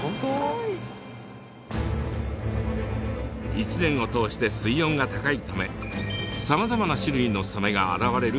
一年を通して水温が高いためさまざまな種類のサメが現れる